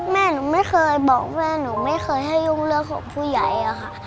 แม่หนูไม่เคยบอกแม่หนูไม่เคยให้ยุ่งเรื่องของผู้ใหญ่อะค่ะ